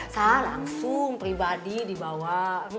saya langsung pribadi dibawa